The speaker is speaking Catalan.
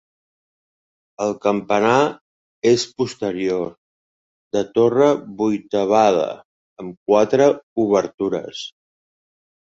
El campanar és posterior, de torre vuitavada, amb quatre obertures.